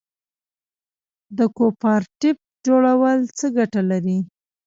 د کوپراتیف جوړول څه ګټه لري؟